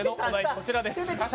こちらです。